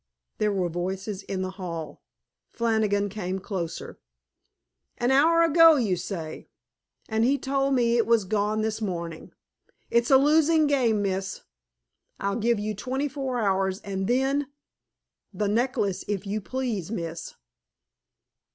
There were voices in the hall. Flannigan came closer. "An hour ago, you say. And he told me it was gone this morning! It's a losing game, miss. I'll give you twenty four hours and then the necklace, if you please, miss."